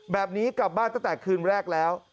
แบบนี้กลับบ้านตั้งแต่คืนแรกแล้ว